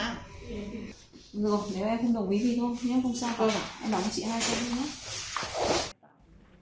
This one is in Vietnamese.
đó em đóng cho chị hai trăm linh thôi nhé